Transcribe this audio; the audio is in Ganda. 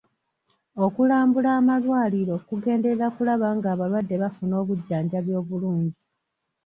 Okulambula amalwaliro kugenderera kulaba ng'abalwadde bafuna obujjanjabi obulungi.